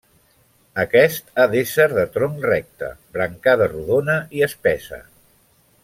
Aquest ha d'ésser de tronc recte, brancada rodona i espessa.